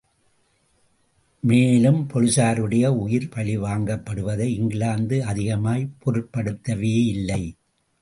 மேலும், போலிஸாருடைய உயிர் பலிவாங்கப்படுவதை இங்கிலாந்து அதிகமாய்ப் பொருட்படுத்துவேயில்லை.